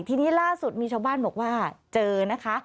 ทีนี้ล่าสุดมีชาวบ้านบอกว่าเจอนะคะ